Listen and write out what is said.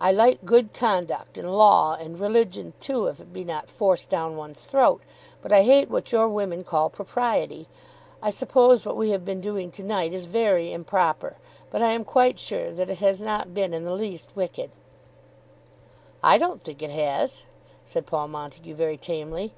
I like good conduct, and law, and religion too if it be not forced down one's throat; but I hate what your women call propriety. I suppose what we have been doing to night is very improper; but I am quite sure that it has not been in the least wicked." "I don't think it has," said Paul Montague very tamely.